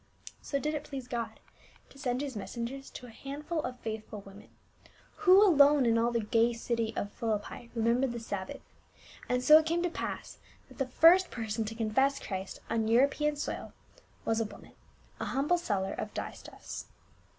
So did it please God to send his messengers to a handful of faithful women, who alone in all the gay city of Philippi remembered the Sabbath ; and so it came to pass that the first person to confess Christ on European soil was a woman, a humble seller of dye stuffs.